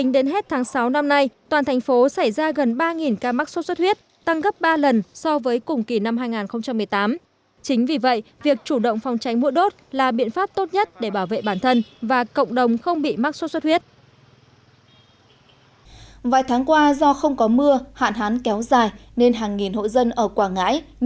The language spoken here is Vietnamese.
nên hàng nghìn hộ dân ở quảng ngãi nhất là vùng ven biển thiếu nước sinh hoạt trầm trọng